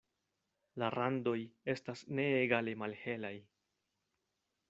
La randoj estas neegale malhelaj.